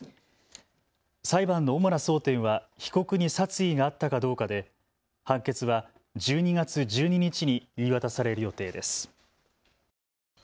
裁判の主な争点は被告に殺意があったかどうかで判決は１２月１２日に言い渡される予定です。